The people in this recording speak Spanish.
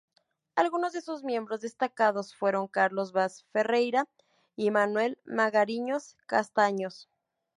Algunos de sus miembros destacados fueron Carlos Vaz Ferreira y Manuel Magariños Castaños.